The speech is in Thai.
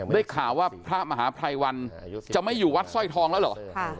ได้ข่าวว่าพระมหาภัยวันจะไม่อยู่วัดสร้อยทองแล้วเหรอ